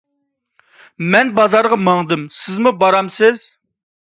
مەن بازارغا ماڭدىم، سىزمۇ بارمسىز؟